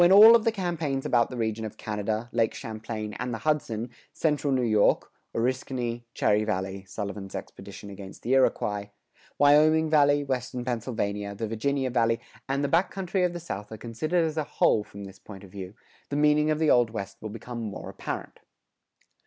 When all of the campaigns about the region of Canada, Lake Champlain, and the Hudson, central New York (Oriskany, Cherry Valley, Sullivan's expedition against the Iroquois), Wyoming Valley, western Pennsylvania, the Virginia Valley, and the back country of the South are considered as a whole from this point of view, the meaning of the Old West will become more apparent.